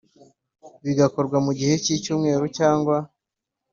Bigakorwa mu gihe cy icyumweru cyangwa